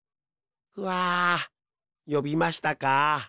ふあよびましたか？